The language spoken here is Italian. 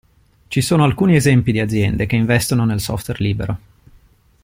Ci sono alcuni esempi di aziende che investono nel software libero.